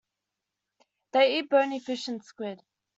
They eat bony fish and squid.